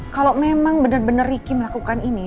kalau memang bener bener ricky melakukan ini